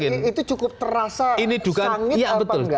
itu cukup terasa sangit atau enggak